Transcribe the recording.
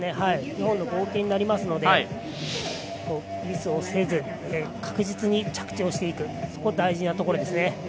２本の合計になりますのでミスをせず、確実に着地をしていく、そこは大事なところですね。